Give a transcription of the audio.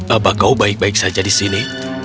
apa kau baik baik saja di sini